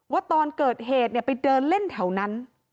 ว่าตอนเกิดเหตุไปเดินเล่นแถวนั้น